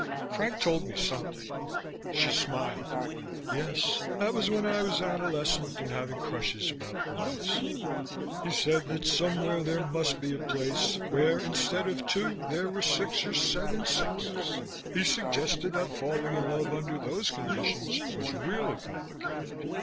Frank told me something " She smiled. "Yes. That was when I was adolescent and having crushes about boys. He said that somewhere there must be a place where, Instead of two, there were six or seven sexes. He suggested that falling in love under those conditions was really complicated.